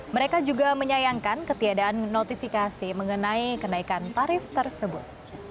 mereka juga menyayangkan ketiadaan notifikasi mengenai kenaikan tarif tersebut